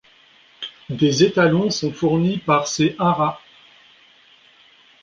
Des étalons sont fournis par ces haras.